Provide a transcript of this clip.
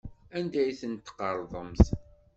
Anda ay ten-tqerḍemt?